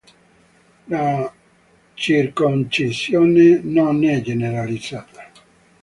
La circoncisione non è generalizzata.